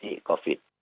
tempat isolasi covid